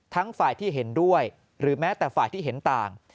ฝ่ายที่เห็นด้วยหรือแม้แต่ฝ่ายที่เห็นต่าง